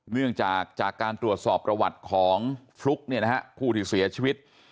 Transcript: เนื่องจากจากการตรวจสอบประวัติของฟลุ๊กเนี่ยนะฮะผู้ที่เสียชีวิต